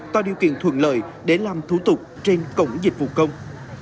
tạo điều kiện thuận lợi để làm thủ tục trên cổng dịch vụ công